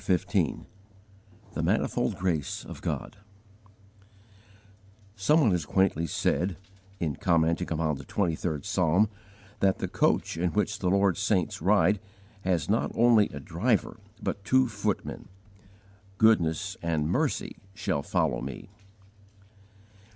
CHAPTER XV THE MANIFOLD GRACE OF GOD SOME one has quaintly said, in commenting upon the Twenty third Psalm, that "the coach in which the Lord's saints ride has not only a driver, but two footmen" _"goodness and mercy shall follow me."